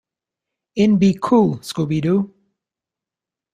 In Be Cool, Scooby-Doo!